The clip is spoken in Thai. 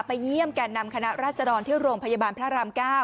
เยี่ยมแก่นำคณะราชดรที่โรงพยาบาลพระราม๙